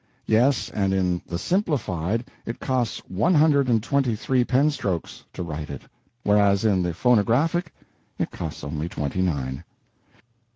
Yes, and in the Simplified it costs one hundred and twenty three pen strokes to write it, whereas in the phonographic it costs only twenty nine.